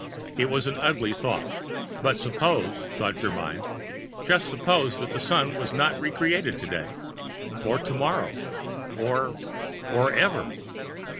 It was an ugly thought, but suppose, thought Germyn, just suppose that the Sun were not re created today? Or tomorrow. Or Or ever.